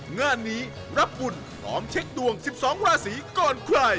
งานนี้รับบุญพร้อมเช็คดวง๑๒ราศีก่อนใคร